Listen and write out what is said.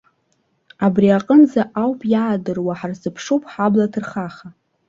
Абри аҟынӡа ауп иаадыруа, ҳарзыԥшуп ҳабла ҭырхаха.